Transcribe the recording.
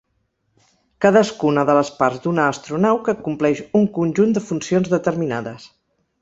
Cadascuna de les parts d'una astronau que acompleix un conjunt de funcions determinades.